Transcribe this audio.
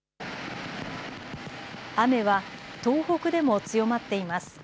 雨は東北でも強まっています。